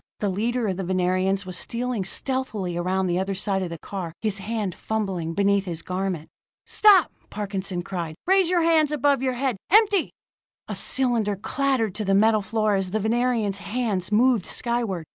The leader of the Venerians was stealing stealthily around the other side of the car, his hand fumbling beneath his garment. "Stop!" Parkinson cried. "Raise your hands above your head empty!" A cylinder clattered to the metal floor as the Venerian's hands moved skyward.